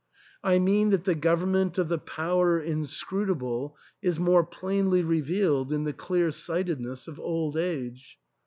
I mean that the govern ment of the Power Inscrutable is more plainly revealed in the clear sightedness of old age.